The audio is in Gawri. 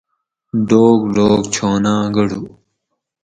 ڈوک ڈوک چھوناں گڑو